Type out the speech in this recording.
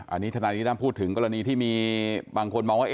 อันนี้ทนายนิด้าพูดถึงกรณีที่มีบางคนมองว่า